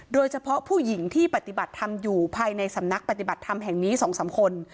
โดยเฉพาะผู้หญิงที่ปฏิบัติธรรมอยู่ภายในสำนักปฏิบัติธรรมแห่งนี้๒๓คน